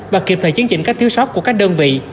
và kịp thời chiến trịnh cách thiếu sót của các đơn vị